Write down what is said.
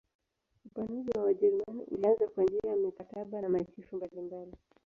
Upanuzi wa Wajerumani ulianza kwa njia ya mikataba na machifu mbalimbali.